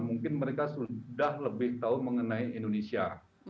mungkin mereka sudah lebih tahu mengenai indonesia